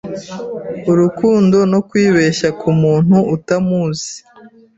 Urukundo no kwibeshya kumuntu utamuzi